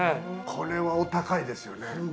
これはお高いですよね？